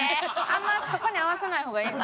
あんまそこに合わせない方がええ。